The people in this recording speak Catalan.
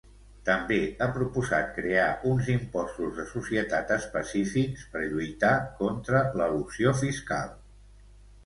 També ha proposat crear uns impostos de societat específics per lluitar contra l'elusió fiscal.